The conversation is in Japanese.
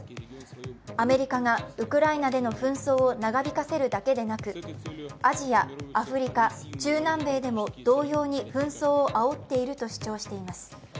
アメリカがウクライナでの紛争を長引かせるだけでなく、アジア、アフリカ、中南米でも同様に紛争をあおっていると主張しています。